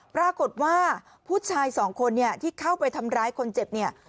ปรากฏว่าผู้ชายสองคนเนี่ยที่เข้าไปทำร้ายคนเจ็บเนี่ย